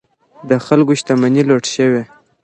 د خلکو شتمنۍ لوټ شوې.